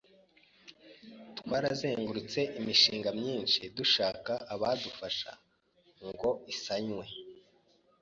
twarazengurutse imishinga myinshi dushaka abadufasha ngo isanwe